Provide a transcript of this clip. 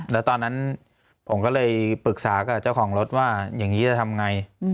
แล้วตอนนั้นผมก็เลยปรึกษากับเจ้าของรถว่าอย่างนี้จะทำไง